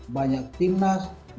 banyak tim nasional